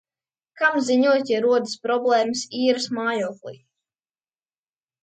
Kam ziņot, ja rodas problēmas īres mājoklī?